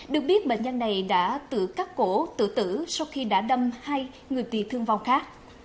được biết bệnh nhân này đã tự cắt cổ tự tử sau khi đã đâm hai người tị thương vong khác